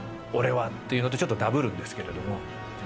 俺は」っていうのとちょっとダブるんですけれども。